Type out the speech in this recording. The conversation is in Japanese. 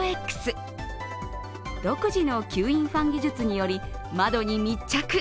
独自の吸引ファン技術により窓に密着。